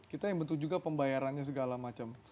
kita yang bentuk juga pembayarannya segala macam